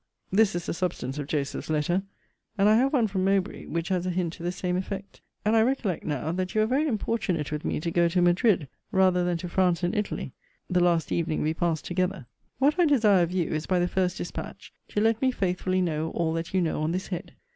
This is the substance of Joseph's letter; and I have one from Mowbray, which has a hint to the same effect. And I recollect now that you were very importunate with me to go to Madrid, rather than to France and Italy, the last evening we passed together. What I desire of you, is, by the first dispatch, to let me faithfully know all that you know on this head.